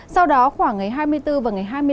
sau đó khoảng ngày hai mươi bốn và ngày hai mươi năm